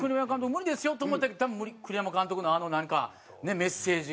無理ですよと思ったけど栗山監督のあのなんかメッセージが。